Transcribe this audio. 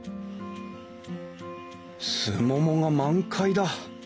スモモが満開だ。